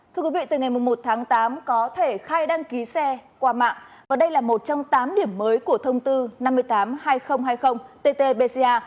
thưa quý vị từ ngày một tháng tám có thể khai đăng ký xe qua mạng và đây là một trong tám điểm mới của thông tư năm trăm tám mươi hai nghìn hai mươi ttbca